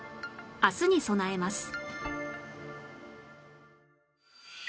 明日に備えます